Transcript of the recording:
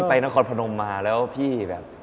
ไปนครพนมมาแล้วพี่แบบ